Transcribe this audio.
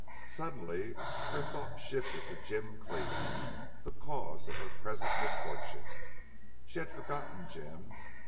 Suddenly her thought shifted to Jim Cleve, the cause of her present misfortune. She had forgotten Jim.